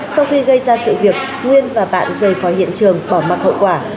sau khi gây ra sự việc nguyên và bạn rời khỏi hiện trường bỏ mặc hậu quả